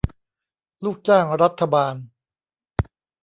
ลูกจ้างรัฐบาล